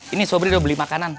ini sobri udah beli makanan